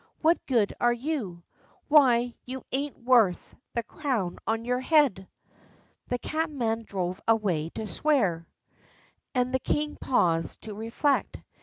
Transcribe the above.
What good are you? Why you ain't worth the crown on your head." The cabman drove away to swear, and the king paused to reflect.